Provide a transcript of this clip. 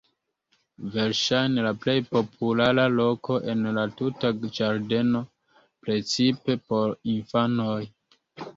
Verŝajne la plej populara loko en la tuta ĝardeno, precipe por infanoj.